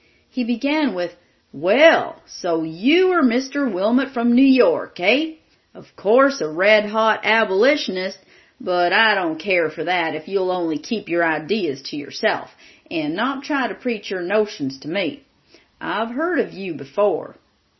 He began with— "Well, so you are Mr. Wilmot from New York, hey? Of course a red hot Abolitionist, but I don't care for that if you'll only keep your ideas to yourself and not try to preach your notions to me. I've heard of you before."